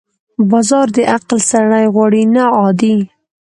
بازار د عقل سړی غواړي، نه عادي.